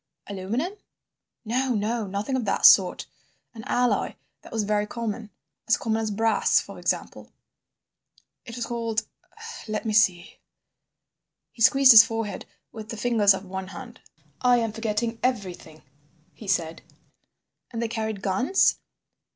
"Aluminum?" "No, no, nothing of that sort. An alloy that was very common—as common as brass, for example. It was called—let me see—" He squeezed his forehead with the fingers of one hand. "I am forgetting everything," he said. "And they carried guns?"